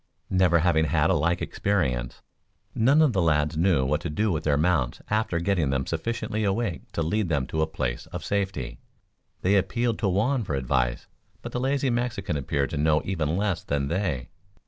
Never having had a like experience, none of the lads knew what to do with their mounts after getting them sufficiently awake to lead them to a place of safety. They appealed to Juan for advice, but the lazy Mexican appeared to know even less than they.